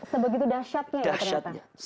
sebegitu dahsyatnya ya ternyata